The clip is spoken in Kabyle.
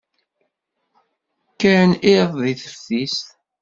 Kkan iḍ deg teftist.